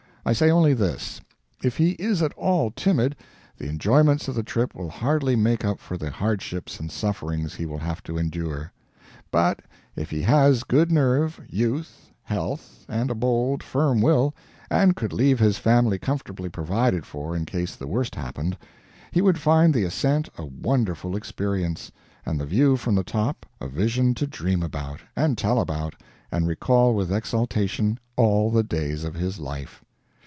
I say only this: if he is at all timid, the enjoyments of the trip will hardly make up for the hardships and sufferings he will have to endure. But, if he has good nerve, youth, health, and a bold, firm will, and could leave his family comfortably provided for in case the worst happened, he would find the ascent a wonderful experience, and the view from the top a vision to dream about, and tell about, and recall with exultation all the days of his life.